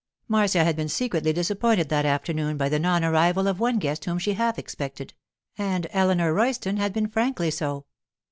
Marcia had been secretly disappointed that afternoon by the non arrival of one guest whom she had half expected—and Eleanor Royston had been frankly so.